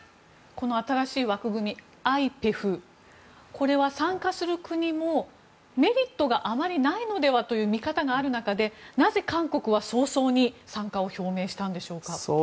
この新しい枠組みＩＰＥＦは参加する国もメリットがあまりないのではという見方がある中でなぜ韓国は早々に参加を表明したんでしょうか。